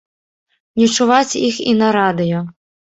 Не чуваць іх і на радыё.